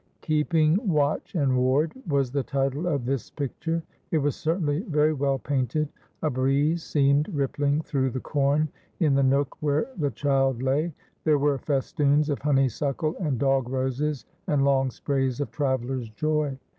"Keeping watch and ward" was the title of this picture; it was certainly very well painted. A breeze seemed rippling through the corn in the nook where the child lay; there were festoons of honeysuckle and dog roses, and long sprays of traveller's joy.